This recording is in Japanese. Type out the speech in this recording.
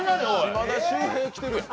島田秀平来てるやん。